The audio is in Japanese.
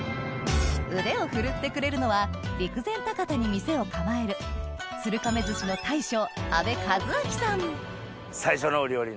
腕を振るってくれるのは陸前高田に店を構える最初のお料理